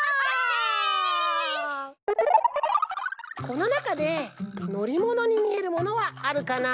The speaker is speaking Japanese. このなかでのりものにみえるものはあるかな？